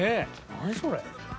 何それ。